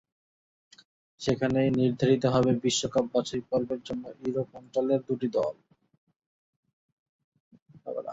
সেখানেই নির্ধারিত হবে বিশ্বকাপ বাছাইপর্বের জন্য ইউরোপ অঞ্চলের দুটি দল।